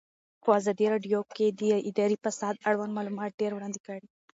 په ازادي راډیو کې د اداري فساد اړوند معلومات ډېر وړاندې شوي.